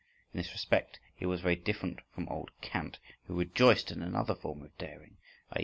(In this respect he was very different from old Kant, who rejoiced in another form of daring, _i.e.